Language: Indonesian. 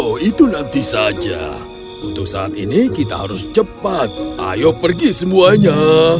oh itu nanti saja untuk saat ini kita harus cepat ayo pergi semuanya